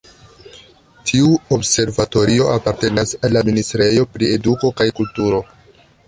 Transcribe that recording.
Tiu observatorio apartenas al la Ministrejo pri Eduko kaj Kulturo.